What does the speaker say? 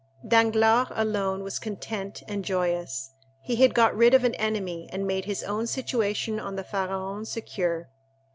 Danglars alone was content and joyous—he had got rid of an enemy and made his own situation on the Pharaon secure.